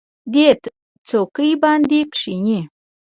دې څوکۍ باندې کېنئ.